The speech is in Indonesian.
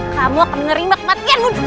kamu akan menerima kematianmu